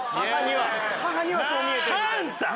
母にはそう見えてるみたいで。